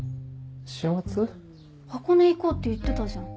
箱根行こうって言ってたじゃん。